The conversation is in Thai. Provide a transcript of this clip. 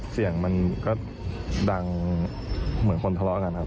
เสียงมันก็ดังเหมือนคนทะเลาะกันครับ